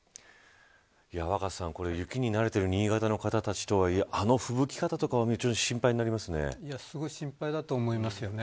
若狭さん、雪に慣れてる新潟の方たちとはいえあのふぶき方を見るとすごく心配だと思いますね。